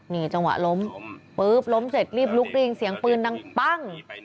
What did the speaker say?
นี่จังหวะล้มปุ๊บล้มเสร็จรีบลุกได้ยินเสียงปืนดังปั้ง